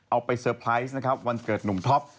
เอาไปเซอร์ไพรส์นะครับวันเกิดหนุ่มท็อป